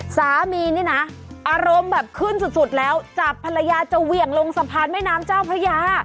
สามีนี่นะอารมณ์แบบขึ้นสุดแล้วจับภรรยาจะเหวี่ยงลงสะพานแม่น้ำเจ้าพระยา